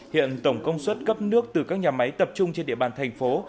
hiện tổng công suất cấp nước từ các nhà máy tập trung trên địa bàn thành phố